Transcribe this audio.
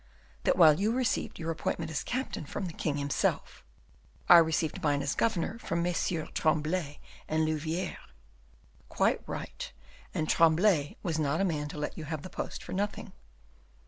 "That while you received your appointment as captain from the king himself, I received mine as governor from Messieurs Tremblay and Louviere." "Quite right, and Tremblay was not a man to let you have the post for nothing."